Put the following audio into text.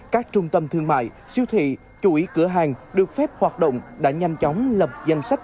các trung tâm thương mại siêu thị chủ ý cửa hàng được phép hoạt động đã nhanh chóng lập danh sách